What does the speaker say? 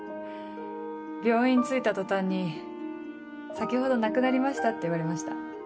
病院着いた途端に「先ほど亡くなりました」って言われました。